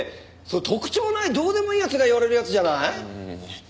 それ特徴ないどうでもいい奴が言われるやつじゃない？